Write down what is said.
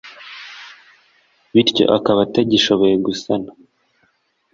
bityo akaba atagishoboye gusama